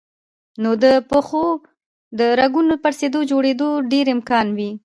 نو د پښو د رګونو پړسېدو جوړېدو ډېر امکان وي